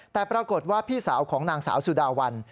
แต่ปรากฏว่าพี่สาวของนางสาวสุดาวัน